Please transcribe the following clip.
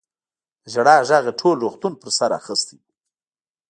د ژړا غږ يې ټول روغتون په سر اخيستی و.